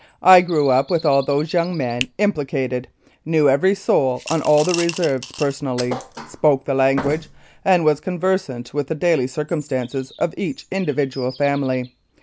I grew up with all those young men impli cated, knew every soul on all the Reserves personally, spoke the language, and was conversant with the daily circumstances of each individual family.